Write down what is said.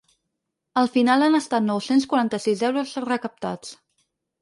Al final han estat nou-cents quaranta-sis euros recaptats.